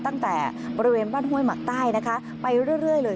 ตั้งแต่บริเวณบ้านห้วยหมักใต้นะคะไปเรื่อยเลย